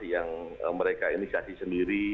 yang mereka ini kasih sendiri